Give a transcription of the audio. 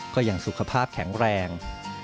ก็ยังสุขภาพแข็งแรง